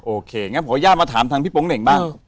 โอเคงั้นขออนุญาตมาถามทางพี่โป๊งเหน่งบ้าง